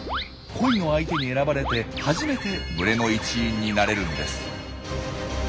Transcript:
恋の相手に選ばれて初めて群れの一員になれるんです。